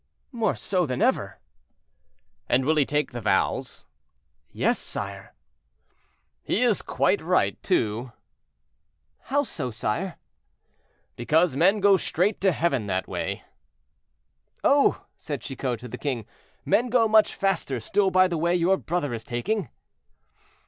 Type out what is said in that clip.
"More so than ever." "And will he take the vows?" "Yes, sire." "He is quite right, too." "How so, sire?" "Because men go straight to heaven that way." "Oh!" said Chicot to the king, "men go much faster still by the way your brother is taking."